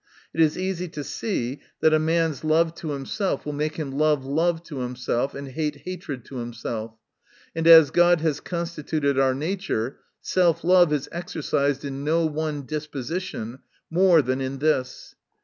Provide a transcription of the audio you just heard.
It is easy to see, that a man's love to himself will make him love love to himself, and hate ha tred to himself. And as God has constituted our nature, self love is exercised in no one disposition more than in this.